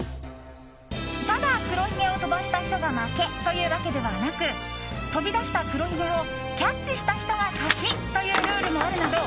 ただ黒ひげを飛ばした人が負けというわけではなく飛び出した黒ひげをキャッチした人が勝ちというルールもあるなど